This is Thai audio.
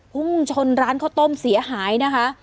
พุ่งชนร้านข้าวต้มเสียหายนะคะ